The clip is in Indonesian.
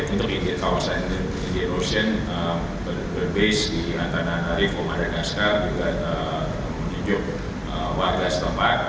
untuk inisiatif kawasan indonesia berbasis di antara reform madagaskar juga menunjuk warga setempat